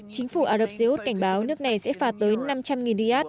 chính phủ ả rập xê út cảnh báo nước này sẽ phạt tới năm trăm linh riad